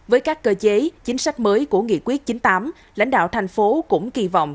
với các cơ chế chính sách mới của nghị quyết chín mươi tám lãnh đạo thành phố cũng kỳ vọng